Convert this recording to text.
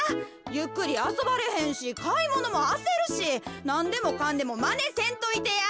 ゆっくりあそばれへんしかいものもあせるしなんでもかんでもまねせんといてや。